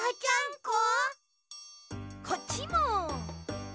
こっちも。